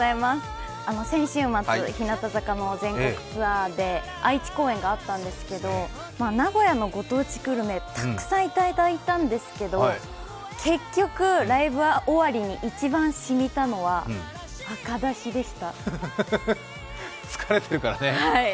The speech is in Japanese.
先週末、日向坂の全国ツアーで愛知公演があったんですけど、名古屋のご当地グルメ、たくさんいただいたんですけど、結局、ライブ終わりに一番染みたのは疲れているからね。